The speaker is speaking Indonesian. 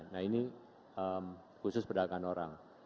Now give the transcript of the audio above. nah ini khusus pedagang orang